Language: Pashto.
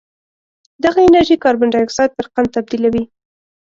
دغه انرژي کاربن ډای اکسایډ پر قند تبدیلوي